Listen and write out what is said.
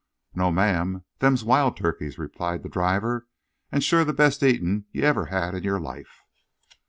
"No, ma'am. Them's wild turkeys," replied the driver, "an' shore the best eatin' you ever had in your life."